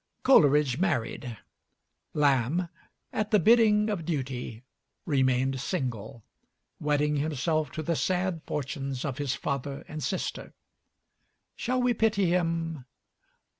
Coleridge married. Lamb, at the bidding of duty, remained single, wedding himself to the sad fortunes of his father and sister. Shall we pity him?